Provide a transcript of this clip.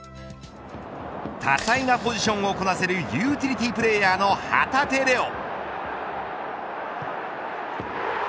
多彩なポジションをこなせるユーティリティープレーヤーの旗手怜央。